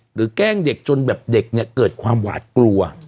แกล้งเด็กจนแบบเด็กเนี่ยเกิดความหวาดกลัว